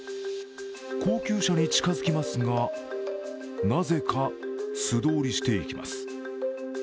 高級車に近づきますがなぜか素通りしていきます。